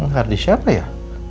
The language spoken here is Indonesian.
harddisk siapa ya